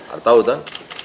ada tahu kan